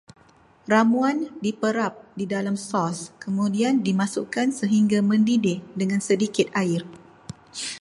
Ramuan diperap di dalam sos, kemudian dimasukkan sehingga mendidih dengan sedikit air